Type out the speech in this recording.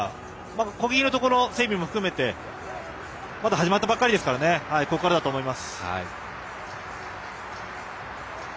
攻撃のところ、整備も含めてまだ始まったばかりですからここからだと思います。